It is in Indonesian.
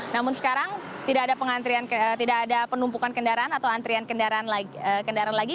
namun sekarang tidak ada penumpukan kendaraan atau antrian kendaraan lagi